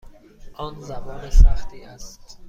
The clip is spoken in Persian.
آن زبان سختی است.